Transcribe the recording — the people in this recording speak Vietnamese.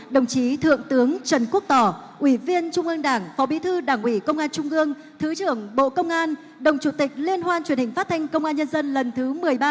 đồng chí thượng tướng trần quốc tỏ ủy viên trung ương đảng phó bí thư đảng ủy công an trung ương thứ trưởng bộ công an đồng chủ tịch liên hoan truyền hình phát thanh công an nhân dân lần thứ một mươi ba